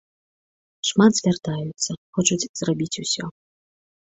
Шмат звяртаюцца, хочуць зрабіць усё.